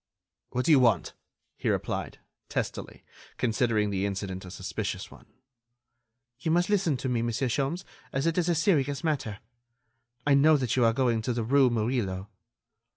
"What do you want?" he replied, testily, considering the incident a suspicious one. "You must listen to me, Monsieur Sholmes, as it is a serious matter. I know that you are going to the rue Murillo."